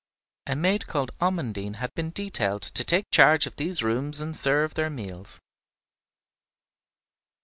A maid called Amandine had been detailed to take charge of these rooms and serve their meals.